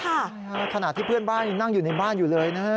ใช่ค่ะขณะที่เพื่อนบ้านยังนั่งอยู่ในบ้านอยู่เลยนะฮะ